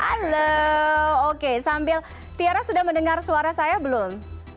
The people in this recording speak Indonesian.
halo oke sambil tiara sudah mendengar suara saya belum